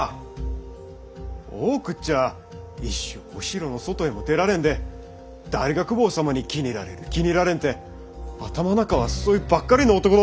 大奥っちゃあ一生お城の外へも出られんで誰が公方様に気に入られる気に入られんて頭ん中はそいばっかりの男どもたい！